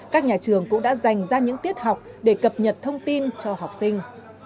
các nhà trường cũng đã dành ra những tiết học để cập nhật thông tin cho học sinh